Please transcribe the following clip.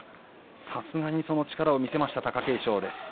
さすがに力を見せました貴景勝です。